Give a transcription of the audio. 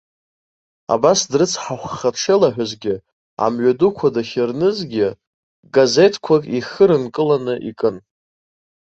Абас дрыцҳахәха дшеилаҳәазгьы, амҩадуқәа дахьырнызгьы, газеҭқәак ихы рынкыланы икын.